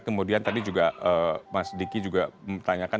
kemudian tadi juga mas diki juga mempertanyakan